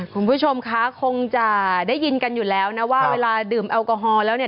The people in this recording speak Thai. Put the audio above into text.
คุณผู้ชมคะคงจะได้ยินกันอยู่แล้วนะว่าเวลาดื่มแอลกอฮอลแล้วเนี่ย